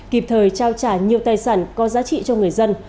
kịp thời trao trả nhiều tài sản có giá trị cho người dân